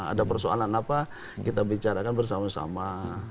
ada persoalan apa kita bicarakan bersama sama